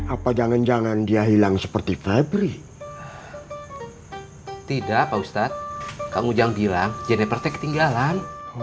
apa jangan jangan dia hilang seperti febri tidak pak ustadz kamu jangan bilang jenepertek tinggalan